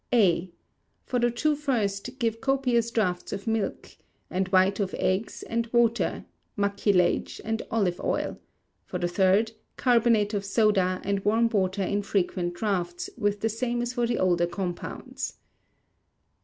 A. For the two first give copious draughts of milk, and white of eggs and water, mucilage, and olive oil; for the third, carbonate of soda, and warm water in frequent draughts, with the same as for the other compounds.